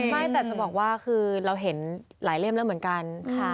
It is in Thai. ไม่แต่จะบอกว่าคือเราเห็นหลายเล่มแล้วเหมือนกัน